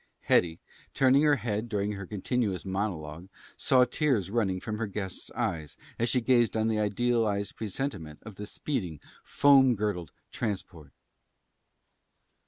Hetty, turning her head during her continuous monologue, saw tears running from her guest's eyes as she gazed on the idealized presentment of the speeding, foam girdled transport.